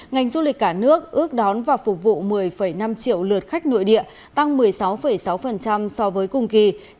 ngành du lịch cả nước ước đón và phục vụ một mươi năm triệu lượt khách nội địa tăng một mươi sáu sáu so với cùng kỳ